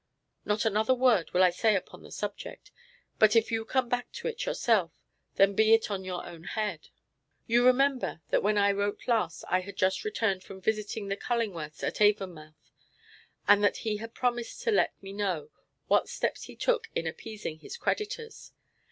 Not another word will I say upon the subject; but if you come back to it yourself, then be it on your own head. You remember that when I wrote last I had just returned from visiting the Cullingworths at Avonmouth, and that he had promised to let me know what steps he took in appeasing his creditors.